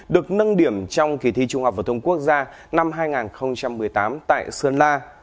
được nâng điểm trong kỳ thi trung học phổ thông quốc gia năm hai nghìn một mươi tám tại sơn la